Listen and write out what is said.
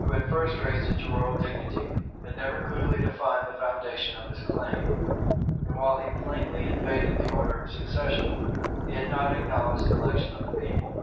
who had first raised it to royal dignity, had never clearly defined the foundation of his claim; and while he plainly invaded the order of succession, he had not acknowledged the election of the people.